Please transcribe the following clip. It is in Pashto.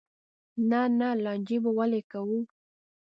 نه نه لانجې به ولې کوو.